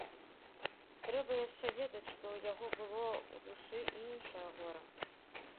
Трэба яшчэ ведаць, што ў яго было ў душы і іншае гора.